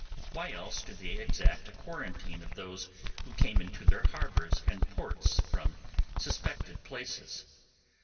Why else do they exact a quarantine of those who came into their harbours and ports from suspected places?